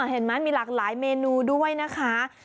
เห็นไหมมีหลากหลายเมนูด้วยนะคะ